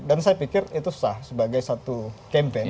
dan saya pikir itu sah sebagai satu campaign